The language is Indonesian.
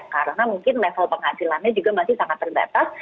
karena mungkin level penghasilannya juga masih sangat terbatas